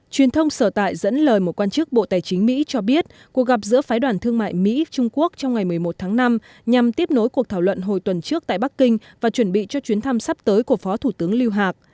truyền thông sở tại dẫn lời một quan chức bộ tài chính mỹ cho biết cuộc gặp giữa phái đoàn thương mại mỹ trung quốc trong ngày một mươi một tháng năm nhằm tiếp nối cuộc thảo luận hồi tuần trước tại bắc kinh và chuẩn bị cho chuyến thăm sắp tới của phó thủ tướng lưu hạc